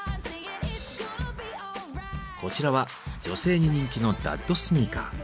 こちらは女性に人気の「ダッドスニーカー」。